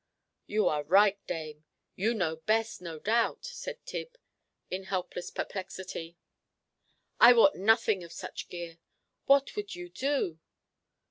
"You are right, dame; you know best, no doubt," said Tib, in helpless perplexity. "I wot nothing of such gear. What would you do?"